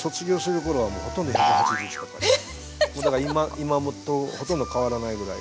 今とほとんど変わらないぐらい。